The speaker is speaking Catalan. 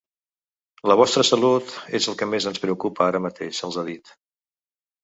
“La vostra salut és el que més ens preocupa ara mateix”, els ha dit.